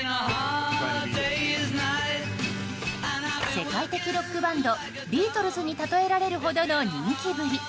世界的ロックバンドビートルズにたとえられるほどの人気ぶり。